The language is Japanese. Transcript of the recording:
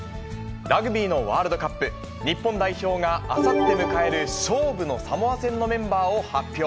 ラグビーのワールドカップ、日本代表があさって迎える勝負のサモア戦のメンバーを発表。